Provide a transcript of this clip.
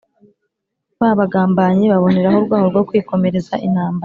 ba bagambanyi baboneraho urwaho rwo kwikomereza intambara